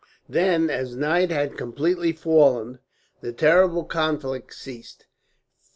Then, as night had completely fallen, the terrible conflict ceased.